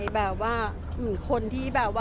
อย่างนี้แหละ